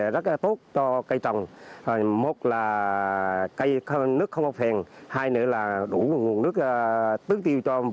rất là tốt cho cây trồng một là cây nước không có phèn hai nữa là đủ nguồn nước tư tiêu cho